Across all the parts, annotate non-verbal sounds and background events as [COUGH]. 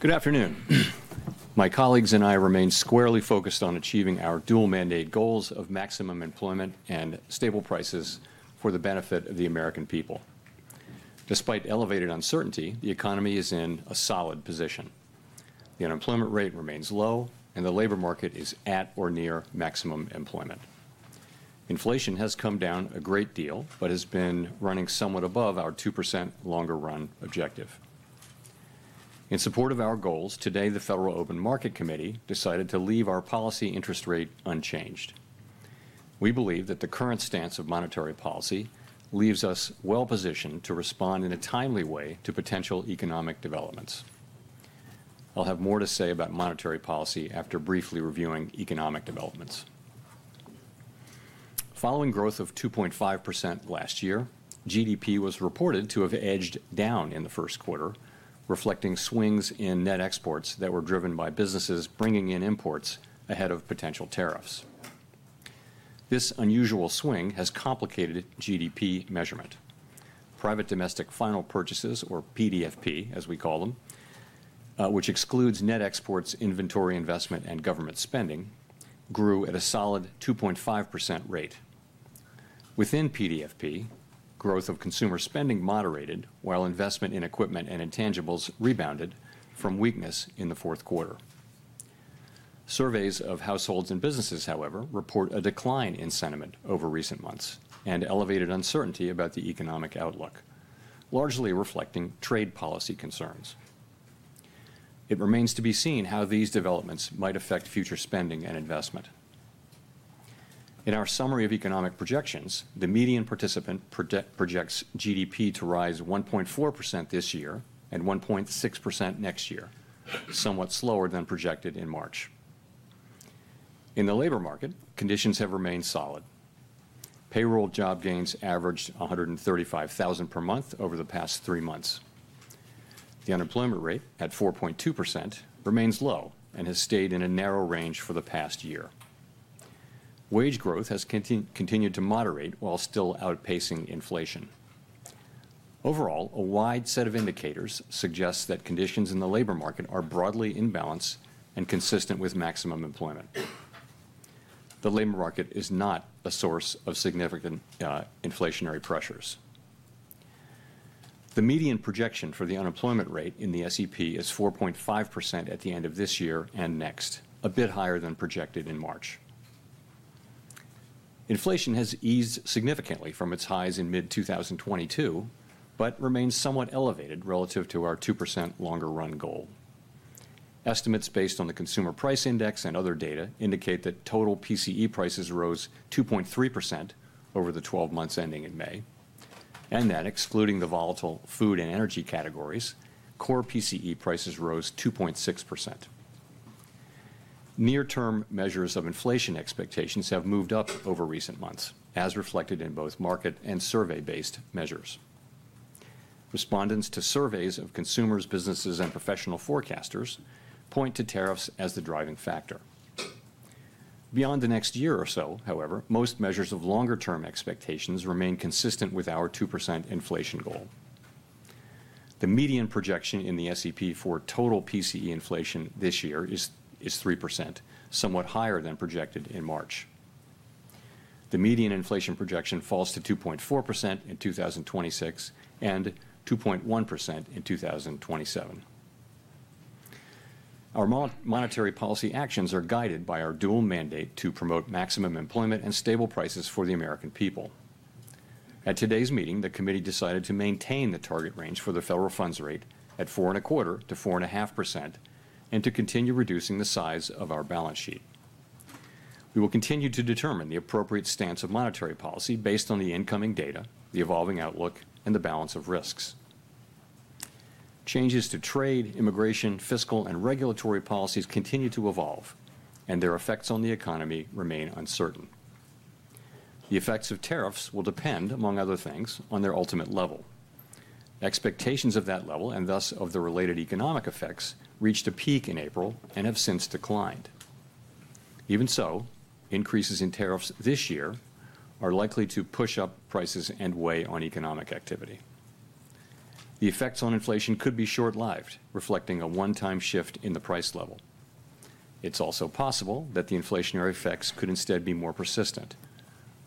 Good afternoon. My colleagues and I remain squarely focused on achieving our dual-mandate goals of maximum employment and stable prices for the benefit of the American people. Despite elevated uncertainty, the economy is in a solid position. The unemployment rate remains low, and the labor market is at or near maximum employment. Inflation has come down a great deal, but has been running somewhat above our 2% longer-run objective. In support of our goals, today the Federal Open Market Committee decided to leave our policy interest rate unchanged. We believe that the current stance of monetary policy leaves us well-positioned to respond in a timely way to potential economic developments. I'll have more to say about monetary policy after briefly reviewing economic developments. Following growth of 2.5% last year, GDP was reported to have edged down in the first quarter, reflecting swings in net exports that were driven by businesses bringing in imports ahead of potential tariffs. This unusual swing has complicated GDP measurement. Private Domestic Final Purchases, or PDFP, as we call them, which excludes net exports, inventory investment, and government spending, grew at a solid 2.5% rate. Within PDFP, growth of consumer spending moderated, while investment in equipment and intangibles rebounded from weakness in the fourth quarter. Surveys of households and businesses, however, report a decline in sentiment over recent months and elevated uncertainty about the economic outlook, largely reflecting trade policy concerns. It remains to be seen how these developments might affect future spending and investment. In our summary of economic projections, the median participant projects GDP to rise 1.4% this year and 1.6% next year, somewhat slower than projected in March. In the labor market, conditions have remained solid. Payroll job gains averaged 135,000 per month over the past three months. The unemployment rate, at 4.2%, remains low and has stayed in a narrow range for the past year. Wage growth has continued to moderate while still outpacing inflation. Overall, a wide set of indicators suggests that conditions in the labor market are broadly in balance and consistent with maximum employment. The labor market is not a source of significant inflationary pressures. The median projection for the unemployment rate in the SEP is 4.5% at the end of this year and next, a bit higher than projected in March. Inflation has eased significantly from its highs in mid-2022, but remains somewhat elevated relative to our 2% longer-run goal. Estimates based on the Consumer Price Index and other data indicate that total PCE prices rose 2.3% over the 12 months ending in May, and that, excluding the volatile food and energy categories, core PCE prices rose 2.6%. Near-term measures of inflation expectations have moved up over recent months, as reflected in both market and survey-based measures. Respondents to surveys of consumers, businesses, and professional forecasters point to tariffs as the driving factor. Beyond the next year or so, however, most measures of longer-term expectations remain consistent with our 2% inflation goal. The median projection in the SEP for total PCE inflation this year is 3%, somewhat higher than projected in March. The median inflation projection falls to 2.4% in 2026 and 2.1% in 2027. Our monetary policy actions are guided by our dual mandate to promote maximum employment and stable prices for the American people. At today's meeting, the Committee decided to maintain the target range for the federal funds rate at 4.25-4.5% and to continue reducing the size of our balance sheet. We will continue to determine the appropriate stance of monetary policy based on the incoming data, the evolving outlook, and the balance of risks. Changes to trade, immigration, fiscal, and regulatory policies continue to evolve, and their effects on the economy remain uncertain. The effects of tariffs will depend, among other things, on their ultimate level. Expectations of that level, and thus of the related economic effects, reached a peak in April and have since declined. Even so, increases in tariffs this year are likely to push up prices and weigh on economic activity. The effects on inflation could be short-lived, reflecting a one-time shift in the price level. It's also possible that the inflationary effects could instead be more persistent.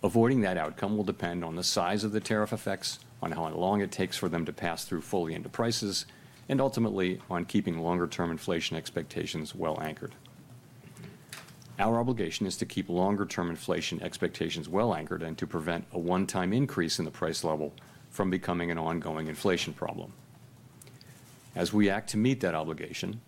Avoiding that outcome will depend on the size of the tariff effects, on how long it takes for them to pass through fully into prices, and ultimately on keeping longer-term inflation expectations well anchored. Our obligation is to keep longer-term inflation expectations well anchored and to prevent a one-time increase in the price level from becoming an ongoing inflation problem. As we act to meet that obligation,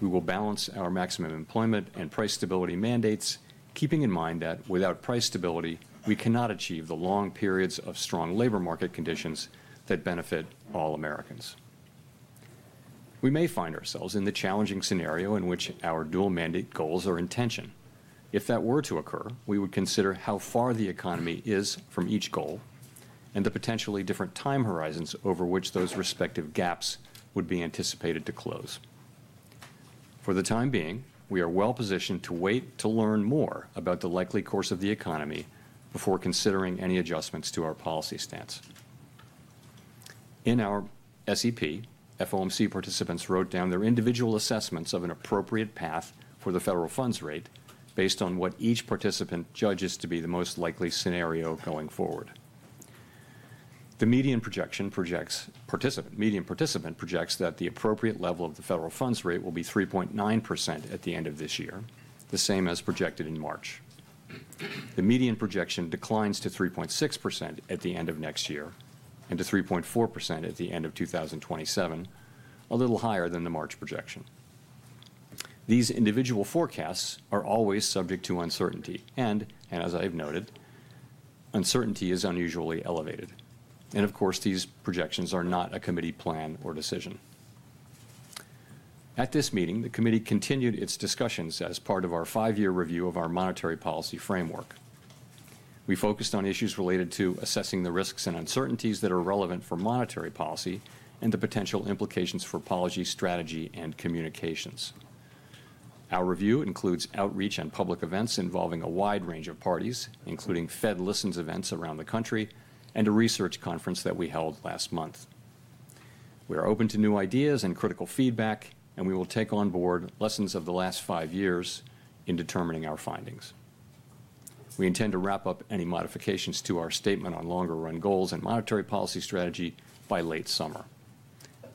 we will balance our maximum employment and price stability mandates, keeping in mind that without price stability we cannot achieve the long periods of strong labor market conditions that benefit all Americans. We may find ourselves in the challenging scenario in which our dual-mandate goals are in tension. If that were to occur, we would consider how far the economy is from each goal and the potentially different time horizons over which those respective gaps would be anticipated to close. For the time being, we are well-positioned to wait to learn more about the likely course of the economy before considering any adjustments to our policy stance. In our SEP, FOMC participants wrote down their individual assessments of an appropriate path for the federal funds rate based on what each participant judges to be the most likely scenario going forward. The median participant projects that the appropriate level of the federal funds rate will be 3.9% at the end of this year, the same as projected in March. The median projection declines to 3.6% at the end of next year and to 3.4% at the end of 2027, a little higher than the March projection. These individual forecasts are always subject to uncertainty and, as I have noted, uncertainty is unusually elevated. These projections are not a Committee plan or decision. At this meeting, the Committee continued its discussions as part of our five-year review of our monetary policy framework. We focused on issues related to assessing the risks and uncertainties that are relevant for monetary policy and the potential implications for policy, strategy, and communications. Our review includes outreach and public events involving a wide range of parties, including Fed Listens events around the country and a research conference that we held last month. We are open to new ideas and critical feedback, and we will take on board lessons of the last five years in determining our findings. We intend to wrap up any modifications to our statement on longer-run goals and monetary policy strategy by late summer.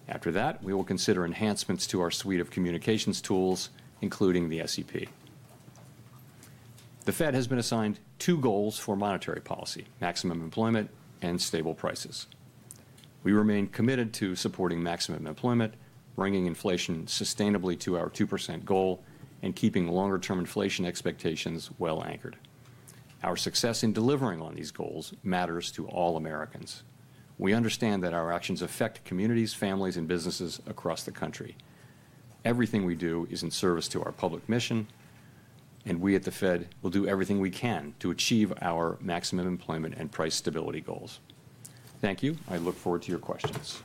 After that, we will consider enhancements to our suite of communications tools, including the SEP. The Fed has been assigned two goals for monetary policy: maximum employment and stable prices. We remain committed to supporting maximum employment, bringing inflation sustainably to our 2% goal, and keeping longer-term inflation expectations well anchored. Our success in delivering on these goals matters to all Americans. We understand that our actions affect communities, families, and businesses across the country. Everything we do is in service to our public mission, and we at the Fed will do everything we can to achieve our maximum employment and price stability goals. Thank you. I look forward to your questions.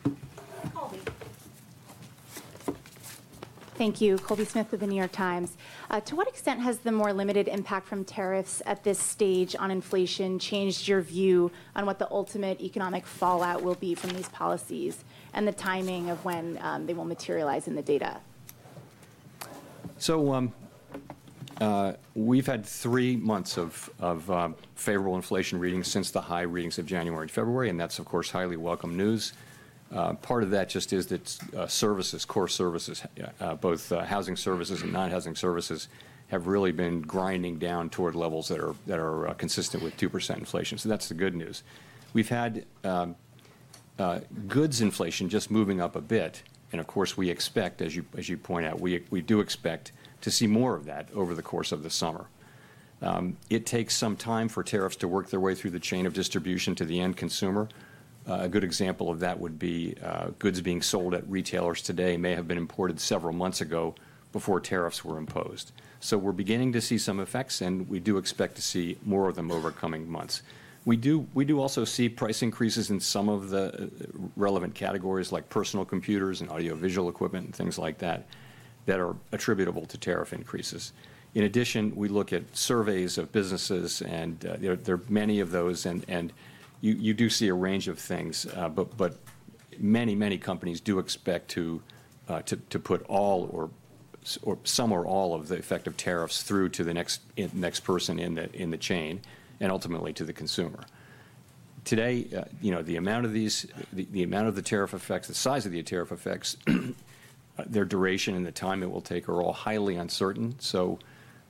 Thank you. Colby Smith of The New York Times. To what extent has the more limited impact from tariffs at this stage on inflation changed your view on what the ultimate economic fallout will be from these policies and the timing of when they will materialize in the data? We have had three months of favorable inflation readings since the high readings of January and February, and that is, of course, highly welcome news. Part of that just is that services, core services, both housing services and non-housing services, have really been grinding down toward levels that are consistent with 2% inflation. That is the good news. We have had goods inflation just moving up a bit, and, of course, we expect, as you point out, we do expect to see more of that over the course of the summer. It takes some time for tariffs to work their way through the chain of distribution to the end consumer. A good example of that would be goods being sold at retailers today may have been imported several months ago before tariffs were imposed. We're beginning to see some effects, and we do expect to see more of them over coming months. We do also see price increases in some of the relevant categories, like personal computers and audiovisual equipment and things like that, that are attributable to tariff increases. In addition, we look at surveys of businesses, and there are many of those, and you do see a range of things, but many, many companies do expect to put all or some or all of the effect of tariffs through to the next person in the chain and ultimately to the consumer. Today, you know, the amount of these, the amount of the tariff effects, the size of the tariff effects, their duration, and the time it will take are all highly uncertain.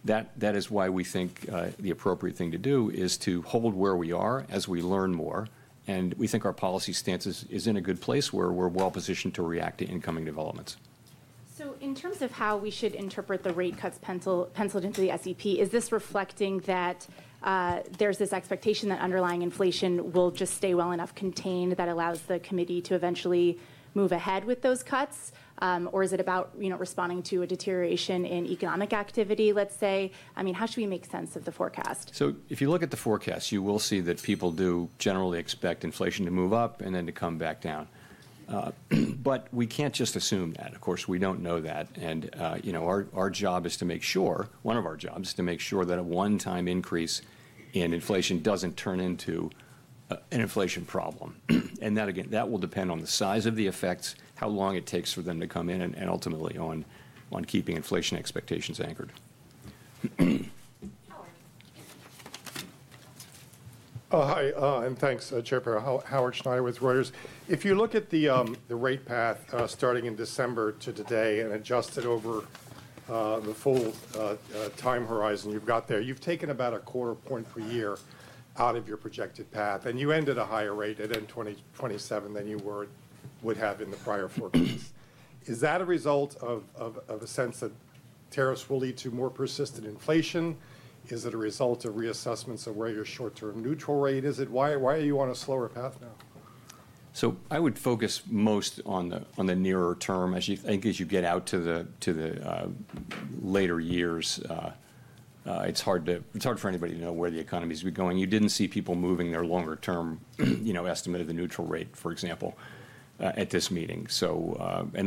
That is why we think the appropriate thing to do is to hold where we are as we learn more, and we think our policy stance is in a good place where we're well-positioned to react to incoming developments. In terms of how we should interpret the rate cuts pencilled into the SEP, is this reflecting that there's this expectation that underlying inflation will just stay well enough contained that allows the Committee to eventually move ahead with those cuts, or is it about, you know, responding to a deterioration in economic activity, let's say? I mean, how should we make sense of the forecast? If you look at the forecast, you will see that people do generally expect inflation to move up and then to come back down. We can't just assume that. Of course, we don't know that. And, you know, our job is to make sure, one of our jobs, is to make sure that a one-time increase in inflation doesn't turn into an inflation problem. That, again, will depend on the size of the effects, how long it takes for them to come in, and ultimately on keeping inflation expectations anchored. Hi, and thanks, Chair Powell. Howard Schneider with Reuters. If you look at the rate path starting in December to today and adjusted over the full time horizon you have there, you have taken about a quarter point per year out of your projected path, and you end at a higher rate at end 2027 than you would have in the prior four months. Is that a result of a sense that tariffs will lead to more persistent inflation? Is it a result of reassessments of where your short-term neutral rate is? Why are you on a slower path now? I would focus most on the nearer term. As you think, as you get out to the later years, it's hard for anybody to know where the economy's going. You didn't see people moving their longer-term, you know, estimate of the neutral rate, for example, at this meeting.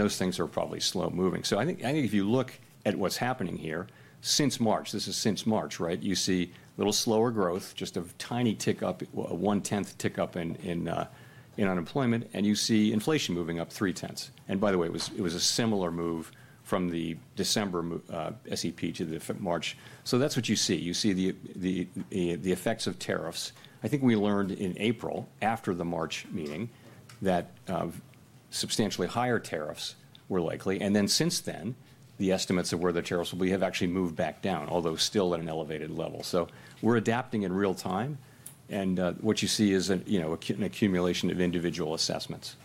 Those things are probably slow-moving. I think if you look at what's happening here since March, this is since March, right, you see a little slower growth, just a tiny tick up, a one-tenth tick up in unemployment, and you see inflation moving up three-tenths. By the way, it was a similar move from the December SEP to the March. That's what you see. You see the effects of tariffs. I think we learned in April, after the March meeting, that substantially higher tariffs were likely. Since then, the estimates of where the tariffs will be have actually moved back down, although still at an elevated level. We are adapting in real time, and what you see is, you know, an accumulation of individual assessments.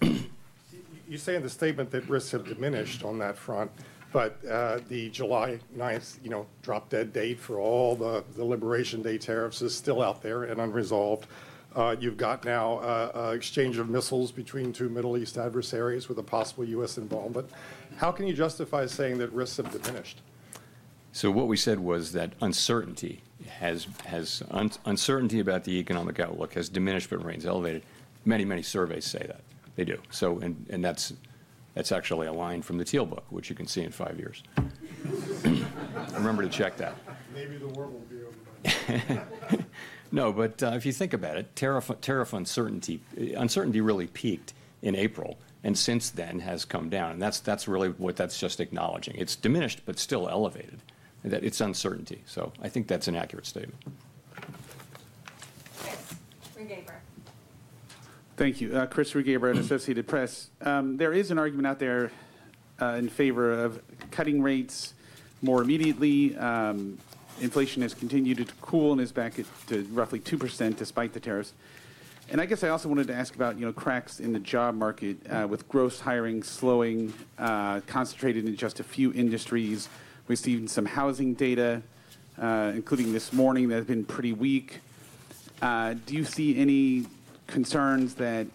You say in the statement that risks have diminished on that front, but the July 9th, you know, drop-dead date for all the Liberation Day tariffs is still out there and unresolved. You've got now an exchange of missiles between two Middle East adversaries with a possible U.S. involvement. How can you justify saying that risks have diminished? What we said was that uncertainty about the economic outlook has diminished but remains elevated. Many, many surveys say that. They do. And that's actually a line from the Teal Book, which you can see in five years. Remember to check that. Maybe the war will be over by then. [AUDIO DISTORTION] No, but if you think about it, tariff uncertainty, uncertainty really peaked in April and since then has come down. And that's really what that's just acknowledging. It's diminished, but still elevated. It's uncertainty. So I think that's an accurate statement. Thank you. Chris Rugaber, The Associated Press. There is an argument out there in favor of cutting rates more immediately. Inflation has continued to cool and is back to roughly 2% despite the tariffs. I guess I also wanted to ask about, you know, cracks in the job market with gross hiring slowing, concentrated in just a few industries. We've seen some housing data, including this morning, that have been pretty weak. Do you see any concerns that,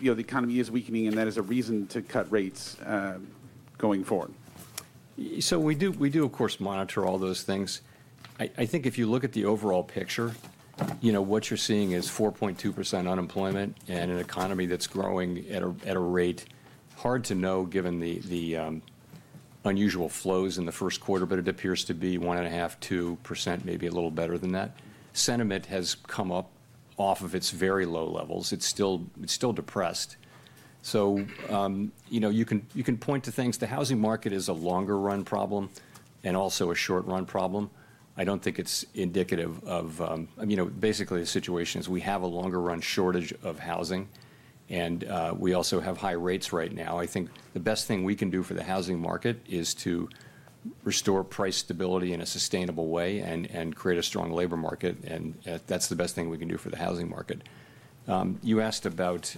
you know, the economy is weakening and that is a reason to cut rates going forward? We do, of course, monitor all those things. I think if you look at the overall picture, you know, what you're seeing is 4.2% unemployment and an economy that's growing at a rate, hard to know given the unusual flows in the first quarter, but it appears to be 1.5-2%, maybe a little better than that. Sentiment has come up off of its very low levels. It's still depressed. You know, you can point to things. The housing market is a longer-run problem and also a short-run problem. I don't think it's indicative of, you know, basically the situation is we have a longer-run shortage of housing, and we also have high rates right now. I think the best thing we can do for the housing market is to restore price stability in a sustainable way and create a strong labor market, and that's the best thing we can do for the housing market. You asked about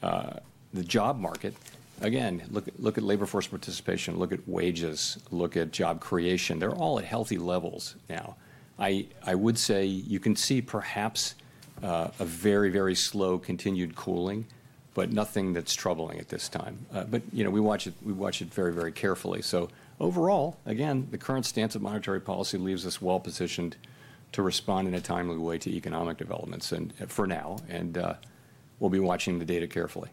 the job market. Again, look at labor force participation, look at wages, look at job creation. They're all at healthy levels now. I would say you can see perhaps a very, very slow continued cooling, nothing that's troubling at this time. You know, we watch it very, very carefully. Overall, again, the current stance of monetary policy leaves us well-positioned to respond in a timely way to economic developments, and for now, we'll be watching the data carefully.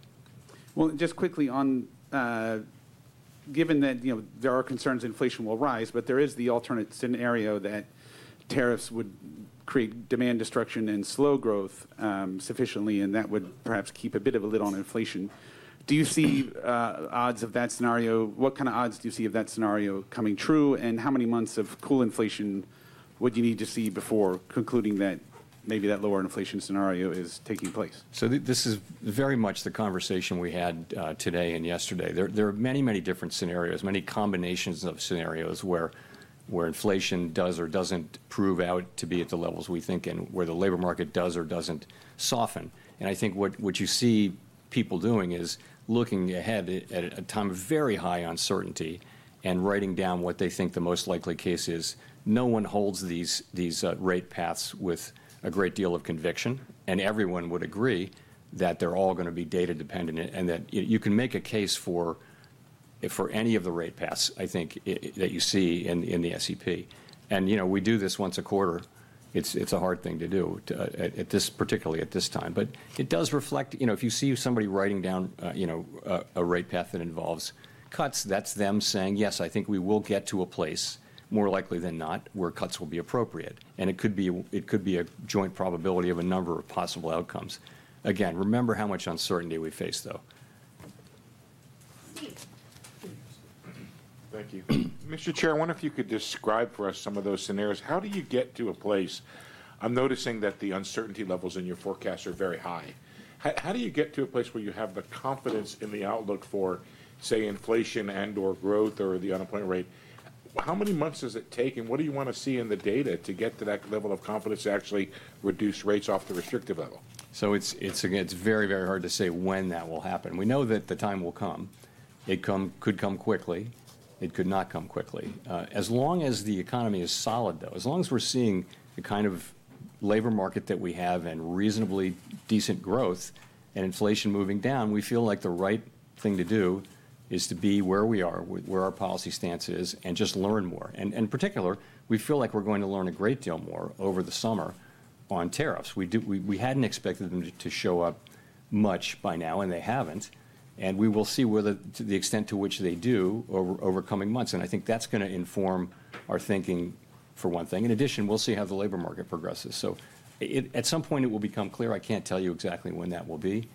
Given that, you know, there are concerns inflation will rise, but there is the alternate scenario that tariffs would create demand destruction and slow growth sufficiently, and that would perhaps keep a bit of a lid on inflation. Do you see odds of that scenario? What kind of odds do you see of that scenario coming true, and how many months of cool inflation would you need to see before concluding that maybe that lower inflation scenario is taking place? This is very much the conversation we had today and yesterday. There are many, many different scenarios, many combinations of scenarios where inflation does or does not prove out to be at the levels we think, and where the labor market does or does not soften. I think what you see people doing is looking ahead at a time of very high uncertainty and writing down what they think the most likely case is. No one holds these rate paths with a great deal of conviction, and everyone would agree that they are all going to be data-dependent and that you can make a case for any of the rate paths, I think, that you see in the SEP. You know, we do this once a quarter. It is a hard thing to do, particularly at this time. It does reflect, you know, if you see somebody writing down, you know, a rate path that involves cuts, that's them saying, yes, I think we will get to a place, more likely than not, where cuts will be appropriate. It could be a joint probability of a number of possible outcomes. Again, remember how much uncertainty we face, though. Thank you. Mr. Chair, I wonder if you could describe for us some of those scenarios. How do you get to a place? I'm noticing that the uncertainty levels in your forecast are very high. How do you get to a place where you have the confidence in the outlook for, say, inflation and/or growth or the unemployment rate? How many months does it take, and what do you want to see in the data to get to that level of confidence to actually reduce rates off the restrictive level? It's again, it's very, very hard to say when that will happen. We know that the time will come. It could come quickly. It could not come quickly. As long as the economy is solid, though, as long as we're seeing the kind of labor market that we have and reasonably decent growth and inflation moving down, we feel like the right thing to do is to be where we are, where our policy stance is, and just learn more. In particular, we feel like we're going to learn a great deal more over the summer on tariffs. We hadn't expected them to show up much by now, and they haven't. We will see the extent to which they do over coming months. I think that's going to inform our thinking, for one thing. In addition, we'll see how the labor market progresses. At some point, it will become clear. I can't tell you exactly when that will be.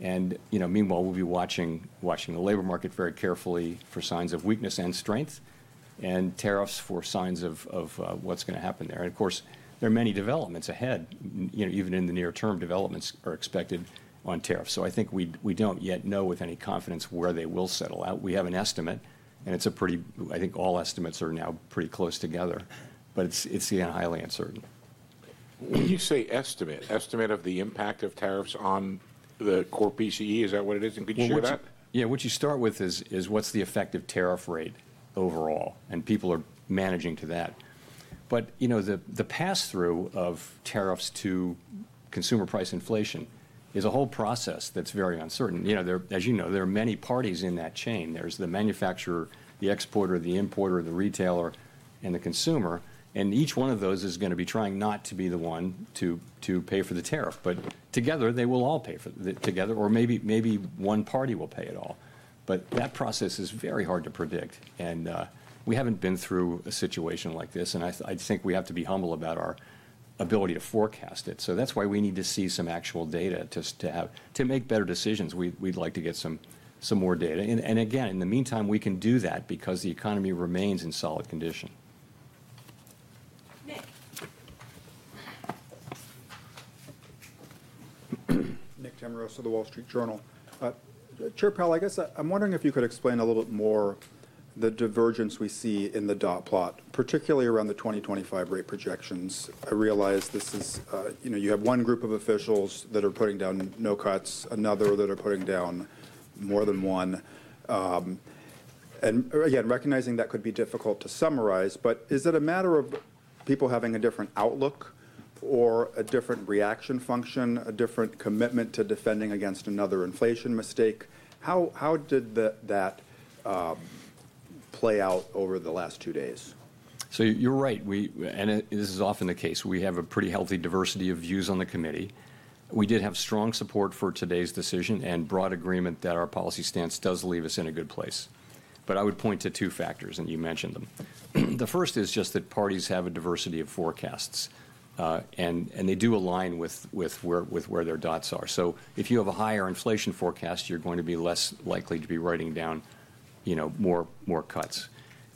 You know, meanwhile, we'll be watching the labor market very carefully for signs of weakness and strength and tariffs for signs of what's going to happen there. Of course, there are many developments ahead. You know, even in the near term, developments are expected on tariffs. I think we don't yet know with any confidence where they will settle out. We have an estimate, and it's a pretty, I think all estimates are now pretty close together, but it's highly uncertain. When you say estimate, estimate of the impact of tariffs on the core PCE, is that what it is? Could you share that? Yeah. What you start with is what's the effective tariff rate overall, and people are managing to that. You know, the pass-through of tariffs to consumer price inflation is a whole process that's very uncertain. You know, as you know, there are many parties in that chain. There's the manufacturer, the exporter, the importer, the retailer, and the consumer. Each one of those is going to be trying not to be the one to pay for the tariff. Together, they will all pay for it together, or maybe one party will pay it all. That process is very hard to predict. We haven't been through a situation like this, and I think we have to be humble about our ability to forecast it. That's why we need to see some actual data to make better decisions. We'd like to get some more data. Again, in the meantime, we can do that because the economy remains in solid condition. Nick. Nick Timiraos of The Wall Street Journal. Chair Powell, I guess I'm wondering if you could explain a little bit more the divergence we see in the dot plot, particularly around the 2025 rate projections. I realize this is, you know, you have one group of officials that are putting down no cuts, another that are putting down more than one. Again, recognizing that could be difficult to summarize, but is it a matter of people having a different outlook or a different reaction function, a different commitment to defending against another inflation mistake? How did that play out over the last two days? You're right. This is often the case. We have a pretty healthy diversity of views on the committee. We did have strong support for today's decision and broad agreement that our policy stance does leave us in a good place. I would point to two factors, and you mentioned them. The first is just that parties have a diversity of forecasts, and they do align with where their dots are. If you have a higher inflation forecast, you're going to be less likely to be writing down, you know, more cuts.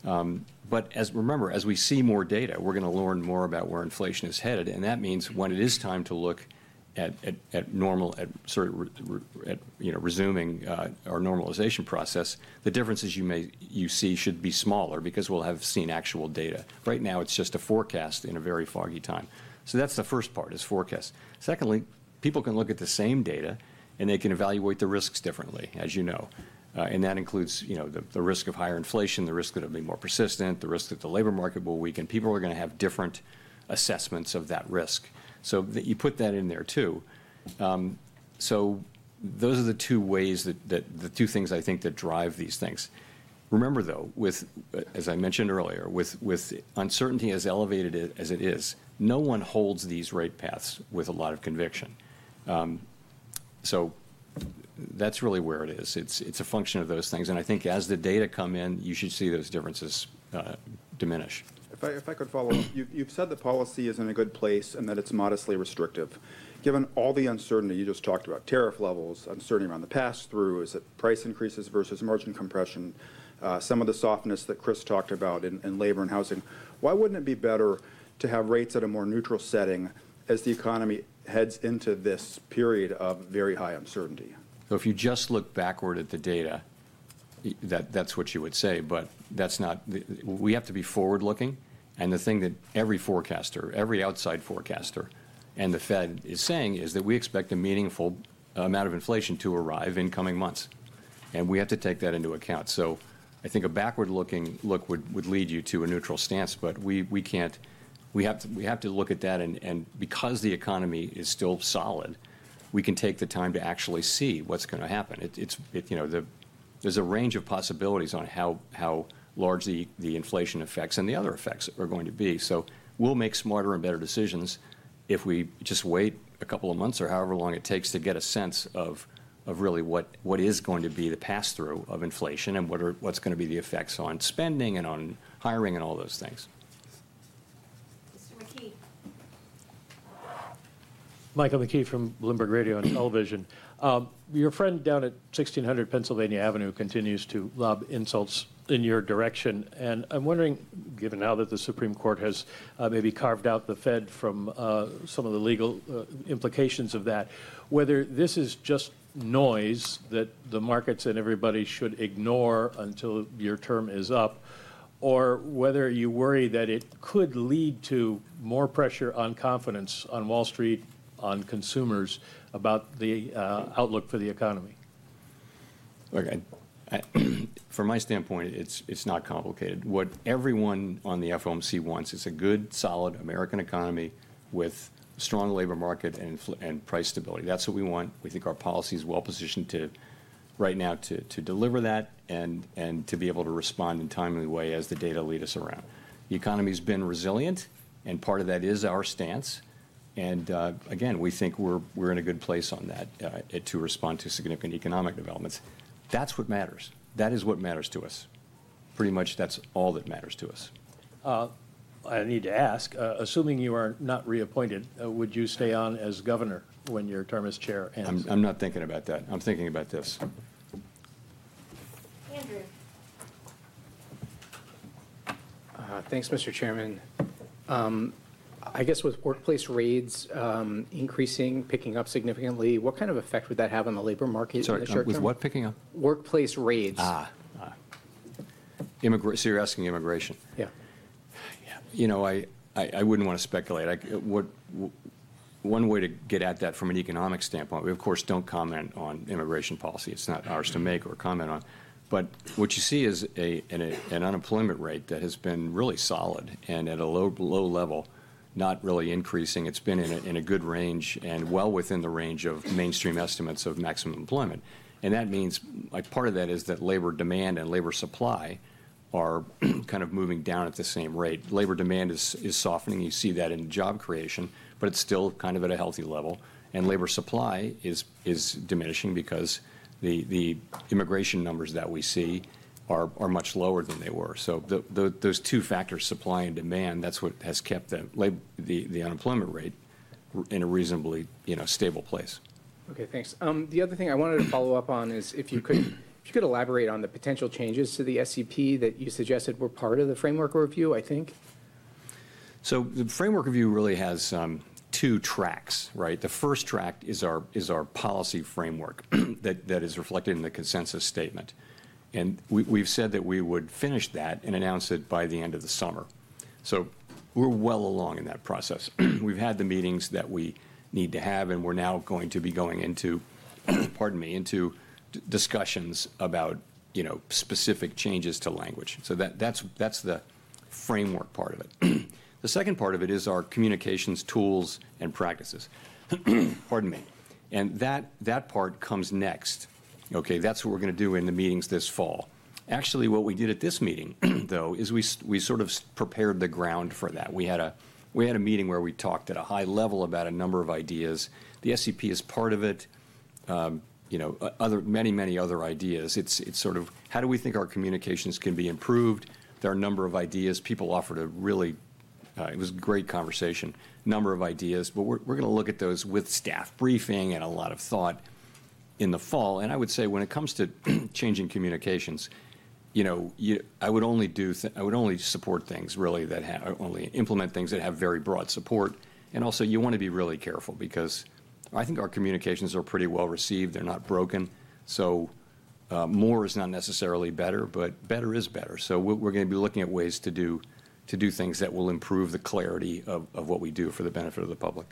Remember, as we see more data, we're going to learn more about where inflation is headed. That means when it is time to look at normal, at, you know, resuming our normalization process, the differences you see should be smaller because we'll have seen actual data. Right now, it's just a forecast in a very foggy time. That is the first part, is forecast. Secondly, people can look at the same data, and they can evaluate the risks differently, as you know. That includes, you know, the risk of higher inflation, the risk that it'll be more persistent, the risk that the labor market will weaken. People are going to have different assessments of that risk. You put that in there, too. Those are the two things I think that drive these things. Remember, though, as I mentioned earlier, with uncertainty as elevated as it is, no one holds these rate paths with a lot of conviction. That is really where it is. It is a function of those things. I think as the data come in, you should see those differences diminish. If I could follow up, you've said the policy is in a good place and that it's modestly restrictive. Given all the uncertainty you just talked about, tariff levels, uncertainty around the pass-through, is it price increases versus margin compression, some of the softness that Chris talked about in labor and housing, why wouldn't it be better to have rates at a more neutral setting as the economy heads into this period of very high uncertainty? If you just look backward at the data, that's what you would say. That's not—we have to be forward-looking. The thing that every forecaster, every outside forecaster, and the Fed is saying is that we expect a meaningful amount of inflation to arrive in coming months. We have to take that into account. I think a backward-looking look would lead you to a neutral stance. We can't—we have to look at that. Because the economy is still solid, we can take the time to actually see what's going to happen. You know, there's a range of possibilities on how large the inflation effects and the other effects are going to be. We'll make smarter and better decisions if we just wait a couple of months or however long it takes to get a sense of really what is going to be the pass-through of inflation and what's going to be the effects on spending and on hiring and all those things. Mr. McKee. Michael McKee from Bloomberg Radio and Television. Your friend down at 1600 Pennsylvania Avenue continues to lob insults in your direction. I'm wondering, given now that the Supreme Court has maybe carved out the Fed from some of the legal implications of that, whether this is just noise that the markets and everybody should ignore until your term is up, or whether you worry that it could lead to more pressure on confidence on Wall Street, on consumers about the outlook for the economy. Look, from my standpoint, it's not complicated. What everyone on the FOMC wants is a good, solid American economy with a strong labor market and price stability. That's what we want. We think our policy is well-positioned right now to deliver that and to be able to respond in a timely way as the data lead us around. The economy has been resilient, and part of that is our stance. We think we're in a good place on that to respond to significant economic developments. That's what matters. That is what matters to us. Pretty much that's all that matters to us. I need to ask, assuming you are not reappointed, would you stay on as governor when your term as chair ends? I'm not thinking about that. I'm thinking about this. Andrew. Thanks, Mr. Chairman. I guess with workplace raids increasing, picking up significantly, what kind of effect would that have on the labor market? Sorry, with what picking up? Workplace raids. You're asking immigration? Yeah. You know, I wouldn't want to speculate. One way to get at that from an economic standpoint, we, of course, don't comment on immigration policy. It's not ours to make or comment on. What you see is an unemployment rate that has been really solid and at a low level, not really increasing. It's been in a good range and well within the range of mainstream estimates of maximum employment. That means, like, part of that is that labor demand and labor supply are kind of moving down at the same rate. Labor demand is softening. You see that in job creation, but it's still kind of at a healthy level. Labor supply is diminishing because the immigration numbers that we see are much lower than they were. Those two factors, supply and demand, that's what has kept the unemployment rate in a reasonably stable place. Okay, thanks. The other thing I wanted to follow up on is if you could elaborate on the potential changes to the SEP that you suggested were part of the framework review, I think. The framework review really has two tracks, right? The first track is our policy framework that is reflected in the consensus statement. We've said that we would finish that and announce it by the end of the summer. We're well along in that process. We've had the meetings that we need to have, and we're now going to be going into, pardon me, into discussions about, you know, specific changes to language. That's the framework part of it. The second part of it is our communications, tools, and practices. Pardon me. That part comes next. Okay, that's what we're going to do in the meetings this fall. Actually, what we did at this meeting, though, is we sort of prepared the ground for that. We had a meeting where we talked at a high level about a number of ideas. The SEP is part of it, you know, many, many other ideas. It's sort of how do we think our communications can be improved. There are a number of ideas. People offered a really, it was a great conversation. Number of ideas. We're going to look at those with staff briefing and a lot of thought in the fall. I would say when it comes to changing communications, you know, I would only do, I would only support things, really, that have, only implement things that have very broad support. Also, you want to be really careful because I think our communications are pretty well received. They're not broken. More is not necessarily better, but better is better. We're going to be looking at ways to do things that will improve the clarity of what we do for the benefit of the public.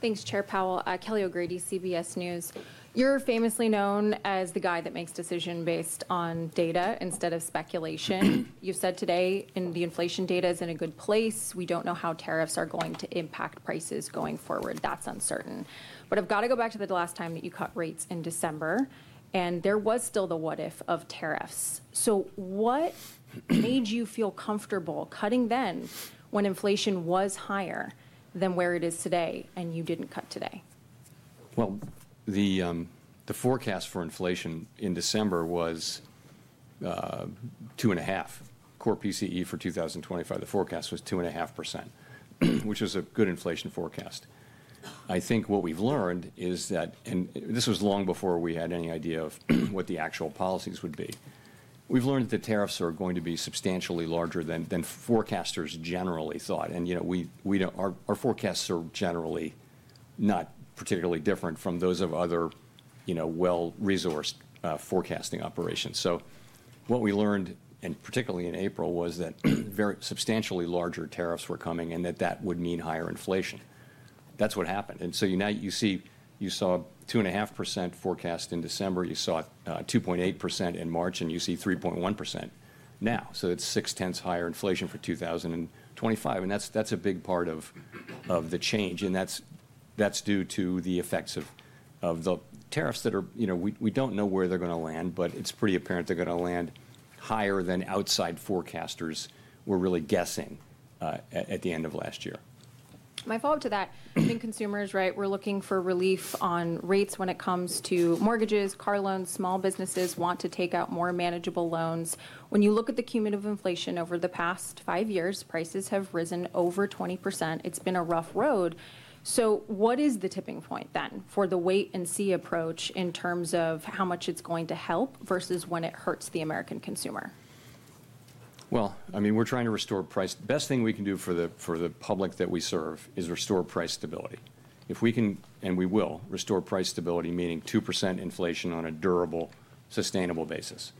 Thanks, Chair Powell. Kelly O'Grady, CBS News. You're famously known as the guy that makes decisions based on data instead of speculation. You've said today the inflation data is in a good place. We don't know how tariffs are going to impact prices going forward. That's uncertain. I've got to go back to the last time that you cut rates in December, and there was still the what-if of tariffs. What made you feel comfortable cutting then when inflation was higher than where it is today and you didn't cut today? The forecast for inflation in December was 2.5%. Core PCE for 2025, the forecast was 2.5%, which was a good inflation forecast. I think what we have learned is that, and this was long before we had any idea of what the actual policies would be, we have learned that the tariffs are going to be substantially larger than forecasters generally thought. You know, our forecasts are generally not particularly different from those of other, you know, well-resourced forecasting operations. What we learned, and particularly in April, was that very substantially larger tariffs were coming and that that would mean higher inflation. That is what happened. Now you see you saw a 2.5% forecast in December. You saw 2.8% in March, and you see 3.1% now. It is 6/10 higher inflation for 2025. That is a big part of the change. That is due to the effects of the tariffs that are, you know, we do not know where they are going to land, but it is pretty apparent they are going to land higher than outside forecasters were really guessing at the end of last year. My follow-up to that, I think consumers, right, we're looking for relief on rates when it comes to mortgages, car loans. Small businesses want to take out more manageable loans. When you look at the cumulative inflation over the past five years, prices have risen over 20%. It's been a rough road. What is the tipping point then for the wait-and-see approach in terms of how much it's going to help versus when it hurts the American consumer? I mean, we're trying to restore price. The best thing we can do for the public that we serve is restore price stability. If we can, and we will, restore price stability, meaning 2% inflation on a durable, sustainable basis,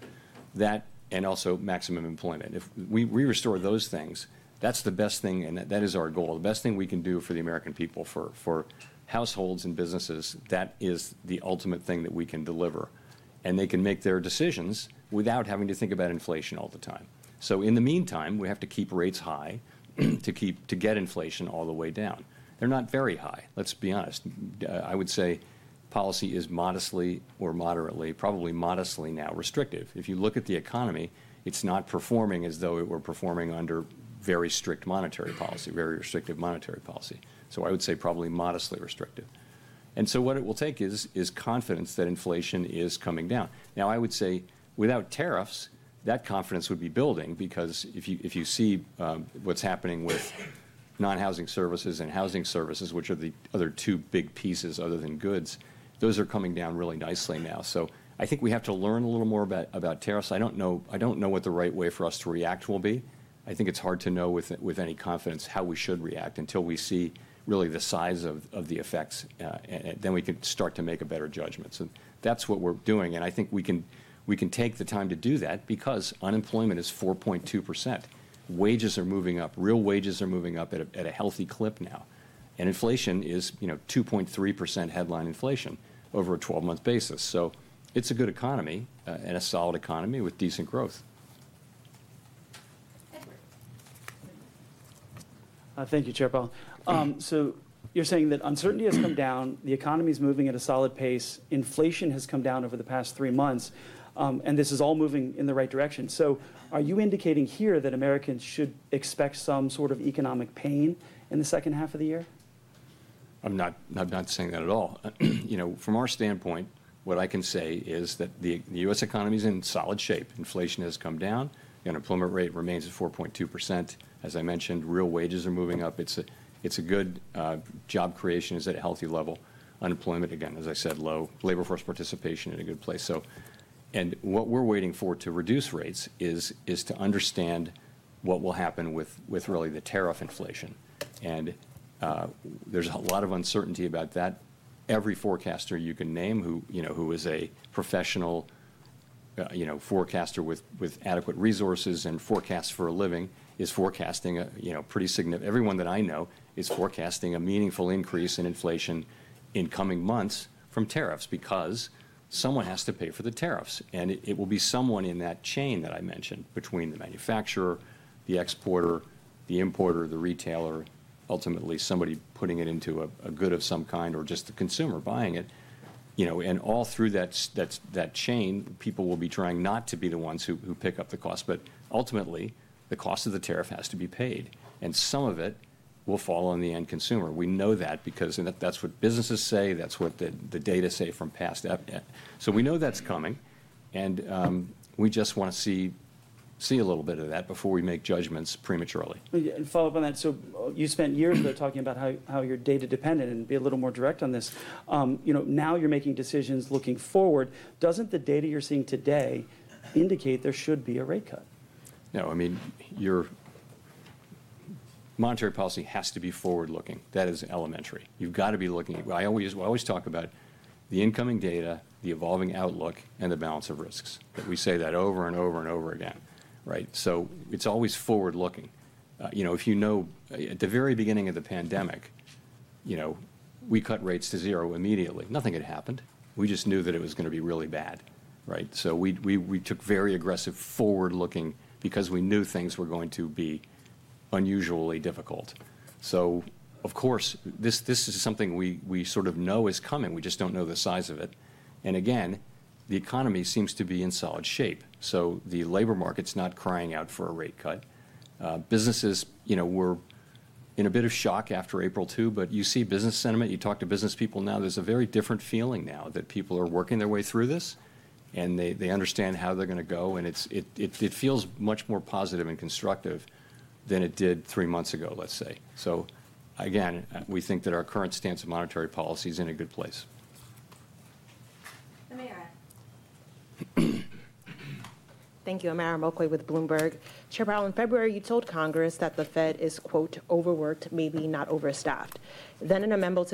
that, and also maximum employment. If we restore those things, that's the best thing, and that is our goal. The best thing we can do for the American people, for households and businesses, that is the ultimate thing that we can deliver. They can make their decisions without having to think about inflation all the time. In the meantime, we have to keep rates high to get inflation all the way down. They're not very high, let's be honest. I would say policy is modestly or moderately, probably modestly now restrictive. If you look at the economy, it's not performing as though it were performing under very strict monetary policy, very restrictive monetary policy. I would say probably modestly restrictive. What it will take is confidence that inflation is coming down. I would say without tariffs, that confidence would be building because if you see what's happening with non-housing services and housing services, which are the other two big pieces other than goods, those are coming down really nicely now. I think we have to learn a little more about tariffs. I don't know what the right way for us to react will be. I think it's hard to know with any confidence how we should react until we see really the size of the effects. We can start to make a better judgment. That's what we're doing. I think we can take the time to do that because unemployment is 4.2%. Wages are moving up. Real wages are moving up at a healthy clip now. Inflation is, you know, 2.3% headline inflation over a 12-month basis. It is a good economy and a solid economy with decent growth. Thank you, Chair Powell. So you're saying that uncertainty has come down, the economy is moving at a solid pace, inflation has come down over the past three months, and this is all moving in the right direction. So are you indicating here that Americans should expect some sort of economic pain in the second half of the year? I'm not saying that at all. You know, from our standpoint, what I can say is that the U.S. economy is in solid shape. Inflation has come down. The unemployment rate remains at 4.2%. As I mentioned, real wages are moving up. It's a good job creation is at a healthy level. Unemployment, again, as I said, low. Labor force participation in a good place. What we're waiting for to reduce rates is to understand what will happen with really the tariff inflation. There is a lot of uncertainty about that. Every forecaster you can name who, you know, who is a professional, you know, forecaster with adequate resources and forecasts for a living is forecasting a, you know, pretty significant, everyone that I know is forecasting a meaningful increase in inflation in coming months from tariffs because someone has to pay for the tariffs. It will be someone in that chain that I mentioned between the manufacturer, the exporter, the importer, the retailer, ultimately somebody putting it into a good of some kind or just the consumer buying it. You know, all through that chain, people will be trying not to be the ones who pick up the cost. Ultimately, the cost of the tariff has to be paid. Some of it will fall on the end consumer. We know that because that's what businesses say. That's what the data say from past. We know that's coming. We just want to see a little bit of that before we make judgments prematurely. You spent years there talking about how you're data dependent and be a little more direct on this. You know, now you're making decisions looking forward. Doesn't the data you're seeing today indicate there should be a rate cut? No, I mean, your monetary policy has to be forward-looking. That is elementary. You've got to be looking at what I always talk about, the incoming data, the evolving outlook, and the balance of risks. We say that over and over and over again, right? It is always forward-looking. You know, if you know at the very beginning of the pandemic, you know, we cut rates to zero immediately. Nothing had happened. We just knew that it was going to be really bad, right? We took very aggressive forward-looking because we knew things were going to be unusually difficult. Of course, this is something we sort of know is coming. We just do not know the size of it. Again, the economy seems to be in solid shape. The labor market is not crying out for a rate cut. Businesses, you know, were in a bit of shock after April 2, but you see business sentiment. You talk to business people now. There's a very different feeling now that people are working their way through this, and they understand how they're going to go. It feels much more positive and constructive than it did three months ago, let's say. Again, we think that our current stance of monetary policy is in a good place. Thank you. Amayra Mulclay with Bloomberg. Chair Powell, in February, you told Congress that the Fed is, quote, overworked, maybe not overstaffed. Then in a memo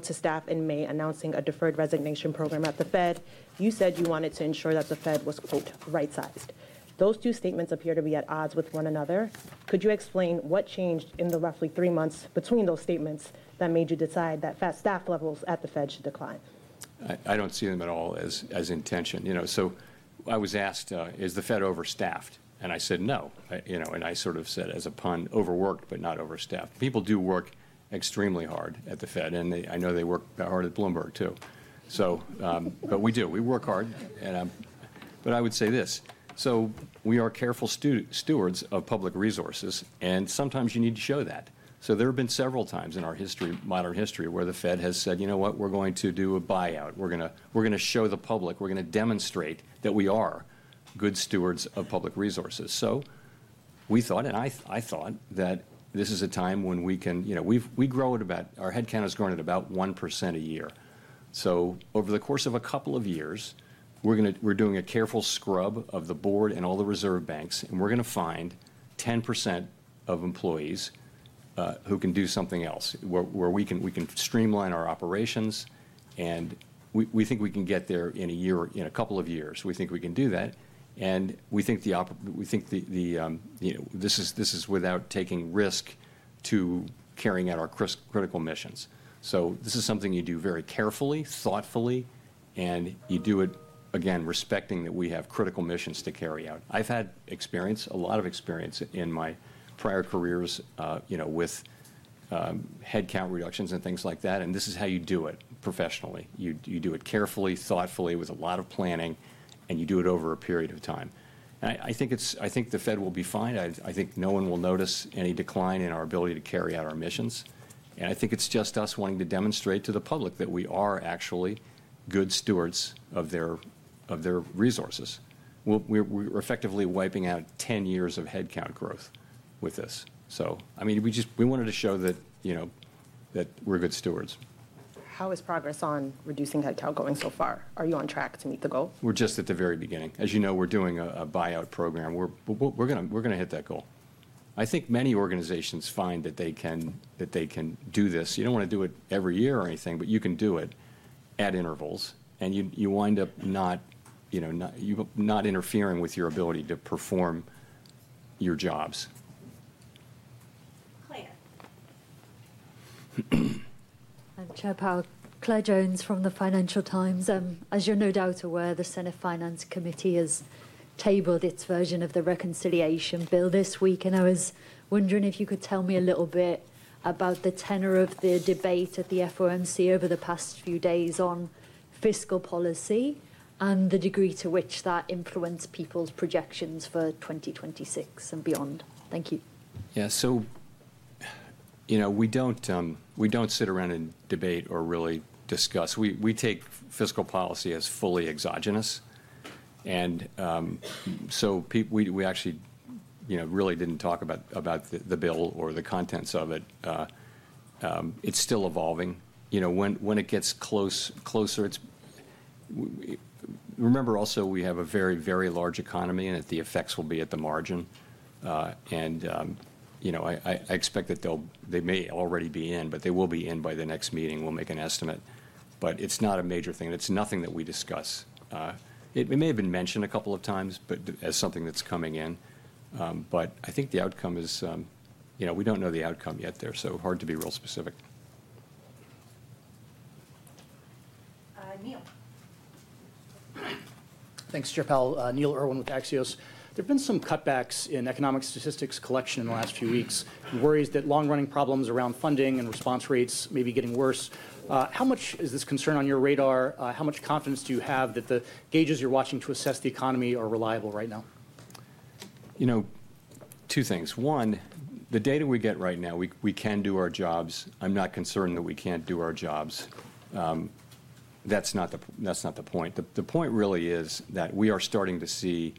to staff in May announcing a deferred resignation program at the Fed, you said you wanted to ensure that the Fed was, quote, right-sized. Those two statements appear to be at odds with one another. Could you explain what changed in the roughly three months between those statements that made you decide that staff levels at the Fed should decline? I do not see them at all as intention. You know, I was asked, is the Fed overstaffed? I said, no. You know, I sort of said as a pun, overworked, but not overstaffed. People do work extremely hard at the Fed. I know they work hard at Bloomberg, too. We do. We work hard. I would say this. We are careful stewards of public resources. Sometimes you need to show that. There have been several times in our history, modern history, where the Fed has said, you know what, we are going to do a buyout. We are going to show the public. We are going to demonstrate that we are good stewards of public resources. We thought, and I thought that this is a time when we can, you know, we grow at about our headcount is growing at about 1% a year. Over the course of a couple of years, we're doing a careful scrub of the board and all the reserve banks. We're going to find 10% of employees who can do something else where we can streamline our operations. We think we can get there in a year, in a couple of years. We think we can do that. We think, you know, this is without taking risk to carrying out our critical missions. This is something you do very carefully, thoughtfully. You do it, again, respecting that we have critical missions to carry out. I've had experience, a lot of experience in my prior careers, you know, with headcount reductions and things like that. This is how you do it professionally. You do it carefully, thoughtfully, with a lot of planning. You do it over a period of time. I think the Fed will be fine. I think no one will notice any decline in our ability to carry out our missions. I think it's just us wanting to demonstrate to the public that we are actually good stewards of their resources. We're effectively wiping out 10 years of headcount growth with this. I mean, we just, we wanted to show that, you know, that we're good stewards. How is progress on reducing headcount going so far? Are you on track to meet the goal? We're just at the very beginning. As you know, we're doing a buyout program. We're going to hit that goal. I think many organizations find that they can do this. You don't want to do it every year or anything, but you can do it at intervals. You wind up not, you know, not interfering with your ability to perform your jobs. Claire. Chair Powell, Claire Jones from the Financial Times. As you're no doubt aware, the Senate Finance Committee has tabled its version of the reconciliation bill this week. I was wondering if you could tell me a little bit about the tenor of the debate at the FOMC over the past few days on fiscal policy and the degree to which that influenced people's projections for 2026 and beyond. Thank you. Yeah, so, you know, we don't sit around and debate or really discuss. We take fiscal policy as fully exogenous. And so we actually, you know, really didn't talk about the bill or the contents of it. It's still evolving. You know, when it gets closer, it's remember also we have a very, very large economy and that the effects will be at the margin. You know, I expect that they may already be in, but they will be in by the next meeting. We'll make an estimate. It's not a major thing. It's nothing that we discuss. It may have been mentioned a couple of times, as something that's coming in. I think the outcome is, you know, we don't know the outcome yet there. Hard to be real specific. Neil. Thanks, Chair Powell. Neil Irwin with Axios. There have been some cutbacks in economic statistics collection in the last few weeks. Worries that long-running problems around funding and response rates may be getting worse. How much is this concern on your radar? How much confidence do you have that the gauges you're watching to assess the economy are reliable right now? You know, two things. One, the data we get right now, we can do our jobs. I'm not concerned that we can't do our jobs. That's not the point. The point really is that we are starting to see,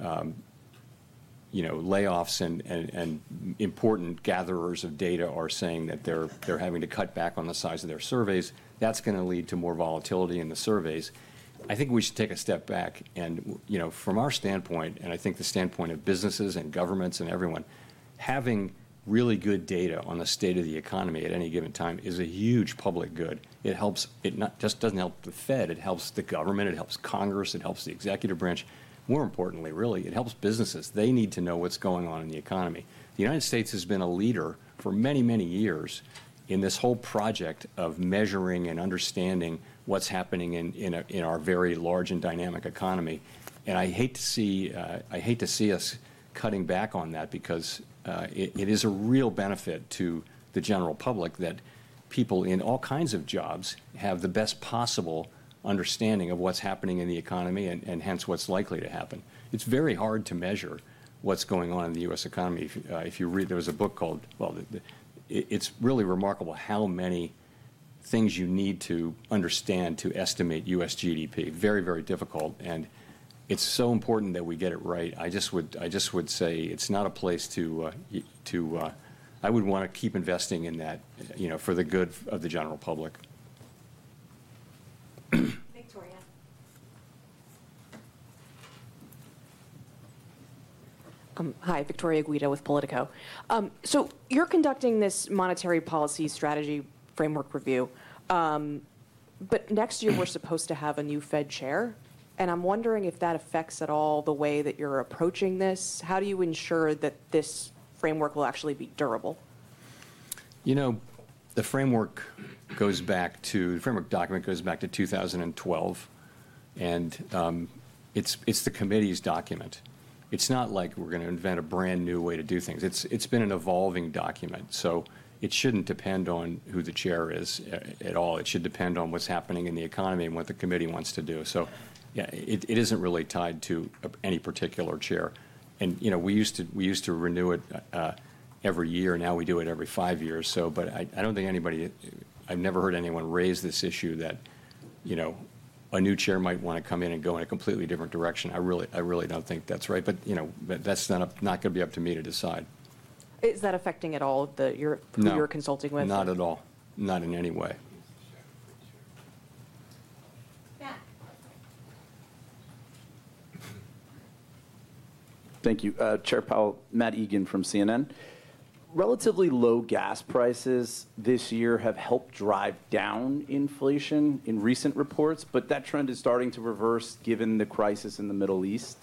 you know, layoffs and important gatherers of data are saying that they're having to cut back on the size of their surveys. That's going to lead to more volatility in the surveys. I think we should take a step back. You know, from our standpoint, and I think the standpoint of businesses and governments and everyone, having really good data on the state of the economy at any given time is a huge public good. It helps, it just doesn't help the Fed. It helps the government. It helps Congress. It helps the executive branch. More importantly, really, it helps businesses. They need to know what's going on in the economy. The United States has been a leader for many, many years in this whole project of measuring and understanding what's happening in our very large and dynamic economy. I hate to see us cutting back on that because it is a real benefit to the general public that people in all kinds of jobs have the best possible understanding of what's happening in the economy and hence what's likely to happen. It's very hard to measure what's going on in the U.S. economy. If you read, there was a book called, well, it's really remarkable how many things you need to understand to estimate U.S. GDP. Very, very difficult. It's so important that we get it right. I just would say it's not a place to, I would want to keep investing in that, you know, for the good of the general public. Hi, Victoria Guido with Politico. You're conducting this monetary policy strategy framework review. Next year we're supposed to have a new Fed chair. I'm wondering if that affects at all the way that you're approaching this. How do you ensure that this framework will actually be durable? You know, the framework goes back to, the framework document goes back to 2012. And it's the committee's document. It's not like we're going to invent a brand new way to do things. It's been an evolving document. So it shouldn't depend on who the chair is at all. It should depend on what's happening in the economy and what the committee wants to do. So yeah, it isn't really tied to any particular chair. And, you know, we used to renew it every year. Now we do it every five years. I don't think anybody, I've never heard anyone raise this issue that, you know, a new chair might want to come in and go in a completely different direction. I really, I really don't think that's right. But, you know, that's not going to be up to me to decide. Is that affecting at all the, you're consulting with? Not at all. Not in any way. Thank you. Chair Powell, Matt Egan from CNN. Relatively low gas prices this year have helped drive down inflation in recent reports. That trend is starting to reverse given the crisis in the Middle East.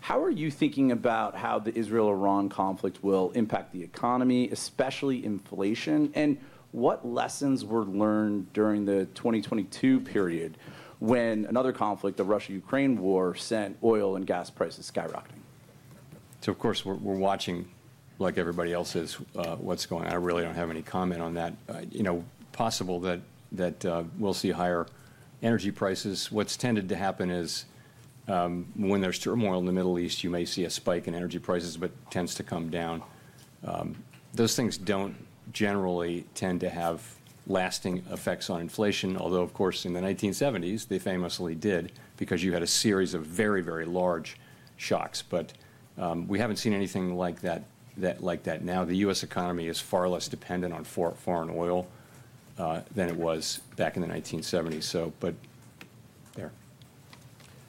How are you thinking about how the Israel-Iran conflict will impact the economy, especially inflation? What lessons were learned during the 2022 period when another conflict, the Russia-Ukraine war, sent oil and gas prices skyrocketing? Of course, we're watching like everybody else is what's going on. I really don't have any comment on that. You know, possible that we'll see higher energy prices. What's tended to happen is when there's turmoil in the Middle East, you may see a spike in energy prices, but it tends to come down. Those things don't generally tend to have lasting effects on inflation. Although, of course, in the 1970s, they famously did because you had a series of very, very large shocks. We haven't seen anything like that now. The U.S. economy is far less dependent on foreign oil than it was back in the 1970s. There.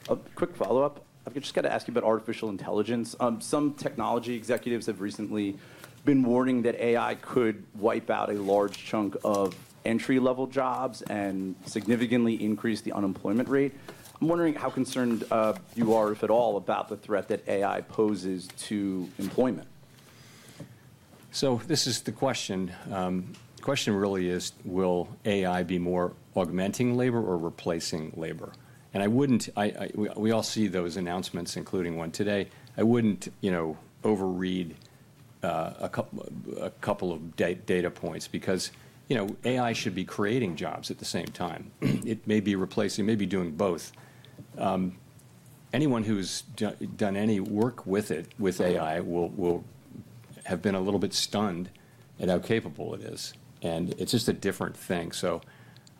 A quick follow-up. I just got to ask you about artificial intelligence. Some technology executives have recently been warning that AI could wipe out a large chunk of entry-level jobs and significantly increase the unemployment rate. I'm wondering how concerned you are, if at all, about the threat that AI poses to employment. This is the question. The question really is, will AI be more augmenting labor or replacing labor? I wouldn't, we all see those announcements, including one today. I wouldn't, you know, overread a couple of data points because, you know, AI should be creating jobs at the same time. It may be replacing, maybe doing both. Anyone who's done any work with it, with AI, will have been a little bit stunned at how capable it is. It's just a different thing.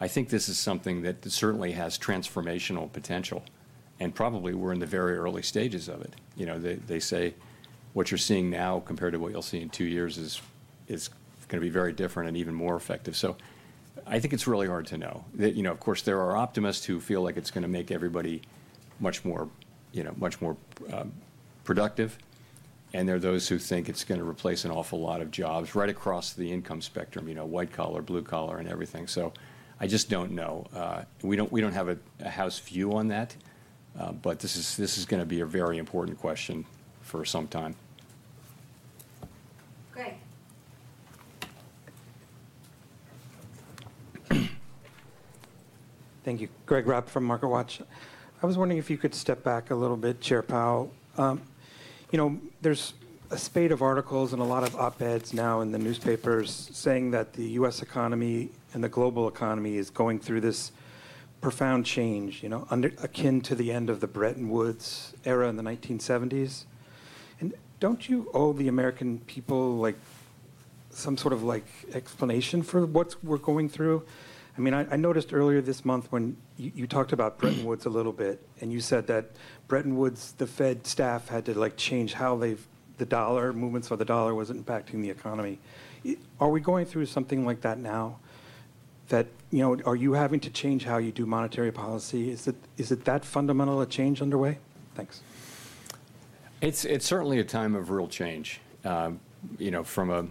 I think this is something that certainly has transformational potential. Probably we're in the very early stages of it. You know, they say what you're seeing now compared to what you'll see in two years is going to be very different and even more effective. I think it's really hard to know. You know, of course, there are optimists who feel like it's going to make everybody much more, you know, much more productive. And there are those who think it's going to replace an awful lot of jobs right across the income spectrum, you know, white collar, blue collar, and everything. I just don't know. We don't have a house view on that. But this is going to be a very important question for some time. Greg. Thank you. Greg Rapp from MarketWatch. I was wondering if you could step back a little bit, Chair Powell. You know, there's a spate of articles and a lot of op-eds now in the newspapers saying that the U.S. economy and the global economy is going through this profound change, you know, akin to the end of the Bretton Woods era in the 1970s. And don't you owe the American people like some sort of like explanation for what we're going through? I mean, I noticed earlier this month when you talked about Bretton Woods a little bit, and you said that Bretton Woods, the Fed staff had to like change how the dollar movements of the dollar was impacting the economy. Are we going through something like that now? That, you know, are you having to change how you do monetary policy? Is it that fundamental a change underway? Thanks. It's certainly a time of real change. You know, from a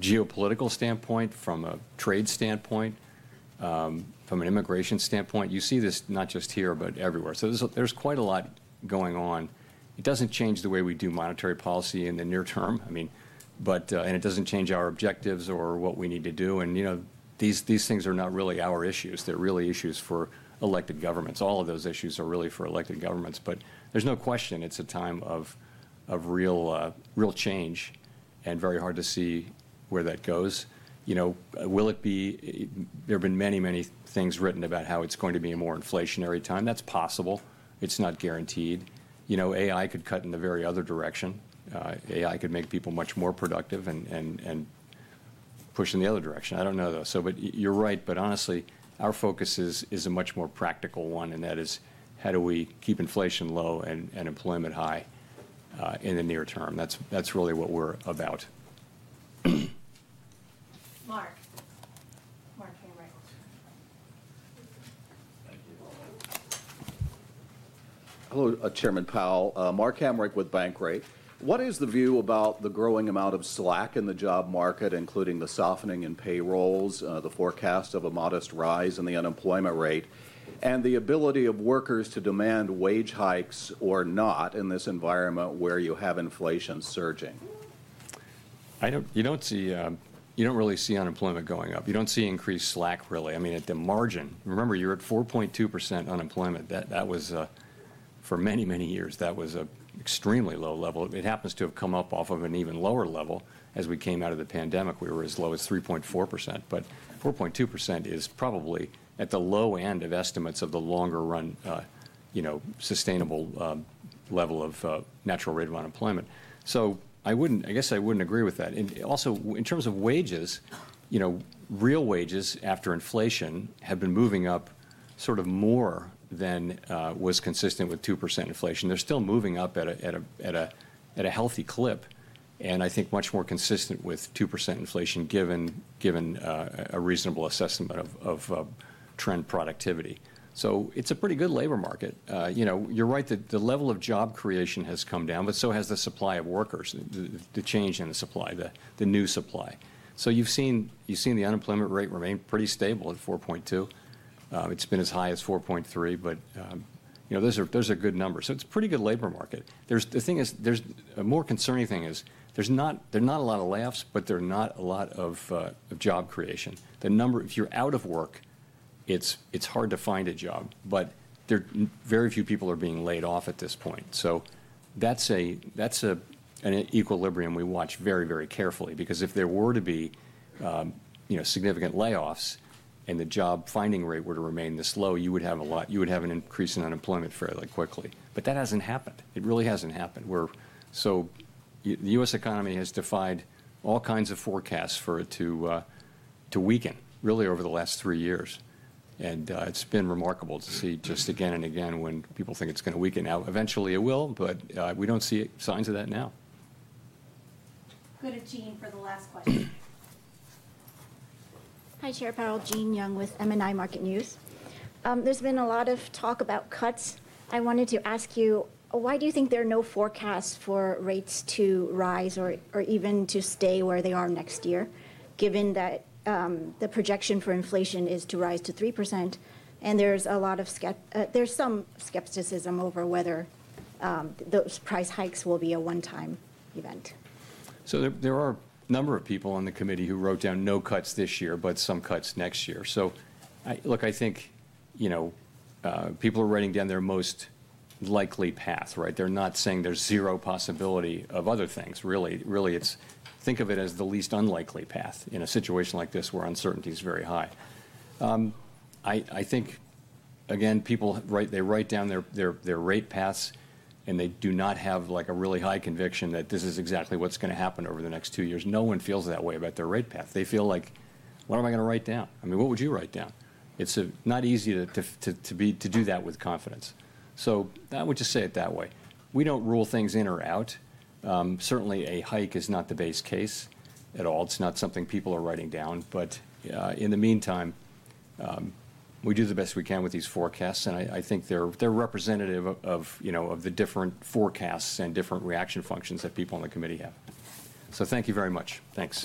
geopolitical standpoint, from a trade standpoint, from an immigration standpoint, you see this not just here, but everywhere. There is quite a lot going on. It doesn't change the way we do monetary policy in the near term. I mean, it doesn't change our objectives or what we need to do. You know, these things are not really our issues. They are really issues for elected governments. All of those issues are really for elected governments. There is no question it's a time of real, real change. Very hard to see where that goes. You know, will it be, there have been many, many things written about how it's going to be a more inflationary time. That's possible. It's not guaranteed. You know, AI could cut in the very other direction. AI could make people much more productive and push in the other direction. I don't know though. You're right. Honestly, our focus is a much more practical one. That is how do we keep inflation low and employment high in the near term? That's really what we're about. Mark. Mark Hamrick. Hello, Chairman Powell. Mark Hamrick with Bankrate. What is the view about the growing amount of slack in the job market, including the softening in payrolls, the forecast of a modest rise in the unemployment rate, and the ability of workers to demand wage hikes or not in this environment where you have inflation surging? I don't, you don't see, you don't really see unemployment going up. You don't see increased slack really. I mean, at the margin, remember you're at 4.2% unemployment. That was for many, many years, that was an extremely low level. It happens to have come up off of an even lower level. As we came out of the pandemic, we were as low as 3.4%. 4.2% is probably at the low end of estimates of the longer run, you know, sustainable level of natural rate of unemployment. I wouldn't, I guess I wouldn't agree with that. Also in terms of wages, you know, real wages after inflation have been moving up sort of more than was consistent with 2% inflation. They're still moving up at a healthy clip. I think much more consistent with 2% inflation given a reasonable assessment of trend productivity. It's a pretty good labor market. You know, you're right that the level of job creation has come down, but so has the supply of workers, the change in the supply, the new supply. You have seen the unemployment rate remain pretty stable at 4.2%. It's been as high as 4.3%. You know, that's a good number. It's a pretty good labor market. The thing is, a more concerning thing is there's not, there's not a lot of layoffs, but there are not a lot of job creation. The number, if you're out of work, it's hard to find a job. There are very few people being laid off at this point. That's an equilibrium we watch very, very carefully. Because if there were to be, you know, significant layoffs and the job finding rate were to remain this low, you would have an increase in unemployment fairly quickly. That has not happened. It really has not happened. The U.S. economy has defied all kinds of forecasts for it to weaken really over the last three years. It has been remarkable to see just again and again when people think it is going to weaken out. Eventually it will, but we do not see signs of that now. Go to Jean for the last question. Hi, Chair Powell, Jean Young with M&I Market News. There's been a lot of talk about cuts. I wanted to ask you, why do you think there are no forecasts for rates to rise or even to stay where they are next year, given that the projection for inflation is to rise to 3%? There's a lot of, there's some skepticism over whether those price hikes will be a one-time event. There are a number of people on the committee who wrote down no cuts this year, but some cuts next year. I think, you know, people are writing down their most likely path, right? They're not saying there's zero possibility of other things. Really, really it's think of it as the least unlikely path in a situation like this where uncertainty is very high. I think, again, people, right, they write down their rate paths and they do not have like a really high conviction that this is exactly what's going to happen over the next two years. No one feels that way about their rate path. They feel like, what am I going to write down? I mean, what would you write down? It's not easy to do that with confidence. I would just say it that way. We don't rule things in or out. Certainly a hike is not the base case at all. It's not something people are writing down. In the meantime, we do the best we can with these forecasts. I think they're representative of, you know, of the different forecasts and different reaction functions that people on the committee have. Thank you very much. Thanks.